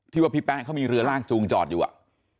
ว่าพี่แป๊ะเขามีเรือลากจูงจอดอยู่อ่ะ